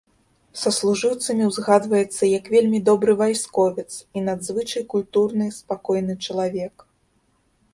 Саслужыўцамі ўзгадваецца як вельмі добры вайсковец і надзвычай культурны, спакойны чалавек.